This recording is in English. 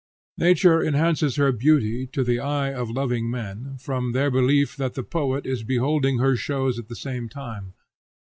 Nature enhances her beauty, to the eye of loving men, from their belief that the poet is beholding her shows at the same time.